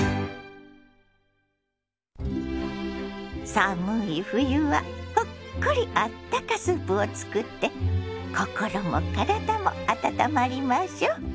寒い冬はほっこりあったかスープを作って心も体も温まりましょ。